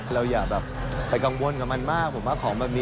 อย่าแบบไปกังวลกับมันมากผมว่าของแบบนี้